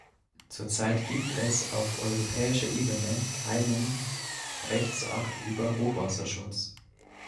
Zurzeit gibt es auf europäischer Ebene keinen Rechtsakt über Hochwasserschutz.